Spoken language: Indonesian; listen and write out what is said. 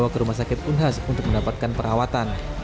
dibawa ke rumah sakit unhas untuk mendapatkan perawatan